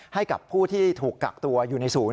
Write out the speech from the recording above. ให้กับผู้ที่ถูกกักตัวอยู่ในศูนย์